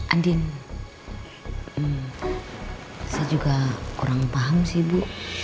andin saya juga kurang paham sih bu